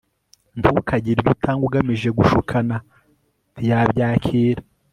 ntukagire ibyo utanga ugamije gushukana, ntiyabyakira